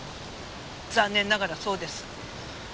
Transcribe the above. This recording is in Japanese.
残念ながらそうです。